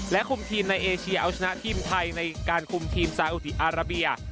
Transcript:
คุมทีมในเอเชียเอาชนะทีมไทยในการคุมทีมซาอุดีอาราเบีย